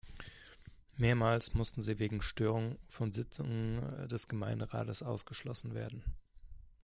Mehrmals musste sie wegen „Störung“ von Sitzungen des Gemeinderates ausgeschlossen werden.